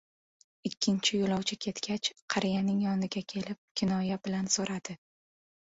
Ikkinchi yoʻlovchi ketgach, qariyaning yoniga kelib, kinoya bilan soʻradi: